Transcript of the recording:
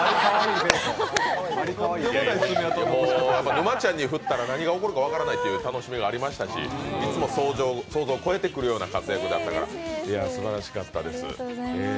沼ちゃんに振ったら何が起こるか分からない楽しみがありましたしいつも想像を超えてくるような活躍だったのですばらしかったです。